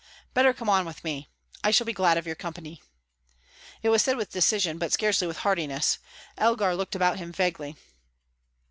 "Better come on with me. I shall be glad of your company." It was said with decision, but scarcely with heartiness. Elgar looked about him vaguely.